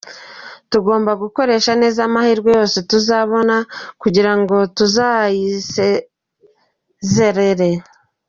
Tugomba gukoresha neza amahirwe yose tuzabona kugira ngo tuzayisezerere.